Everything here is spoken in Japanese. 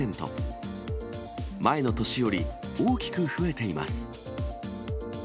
前の年より大きく増えています。